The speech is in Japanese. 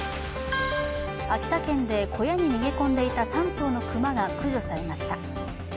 秋田県で小屋に逃げ込んでいた３頭の熊が駆除されました。